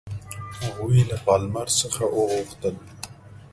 هغوی له پالمر څخه وغوښتل.